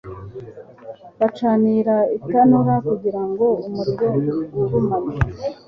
bacanira itanura kugira ngo umuriro ugurumane